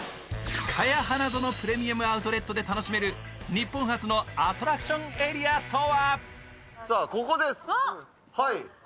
ふかや花園プレミアム・アウトレットで楽しめる日本初のアトラクションエリアとは？